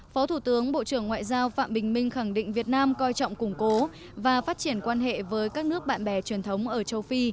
phó thủ tướng bộ trưởng ngoại giao phạm bình minh khẳng định việt nam coi trọng củng cố và phát triển quan hệ với các nước bạn bè truyền thống ở châu phi